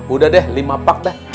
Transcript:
udah deh lima pak dah